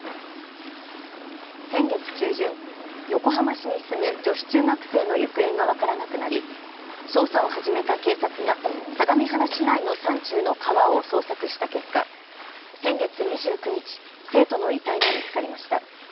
先月中旬、横浜市に住む女子中学生の行方が分からなくなり捜査を始めた警察が相模原市内の山中の川を捜索した結果、先月２９日、生徒の遺体が見つかりました。